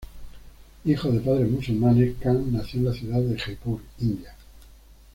Hijo de padres musulmanes, Khan nació en la ciudad de Jaipur, India.